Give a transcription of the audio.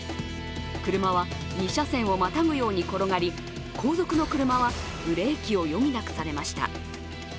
車は２車線をまたぐように転がり後続の車はブレーキを余儀なくされました。